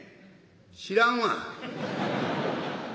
「知らんわ」。